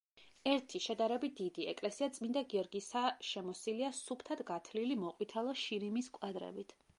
ერთი, შედარებით დიდი, ეკლესია წმინდა გიორგისა შემოსილია სუფთად გათლილი მოყვითალო შირიმის კვადრებით.